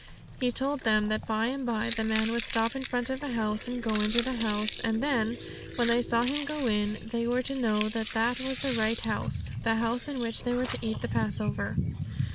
He told them that by and by the man would stop in front of a house, and go into the house, and then, when they saw him go in, they were to know that that was the right house, the house in which they were to eat the Passover.